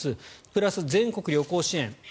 プラス、全国旅行支援